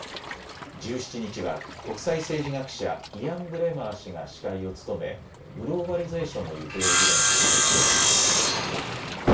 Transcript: １７日は国際政治学者、イアン・ブレマー氏が司会を務めグローバリゼーションの行方を議論するセッションが開かれます。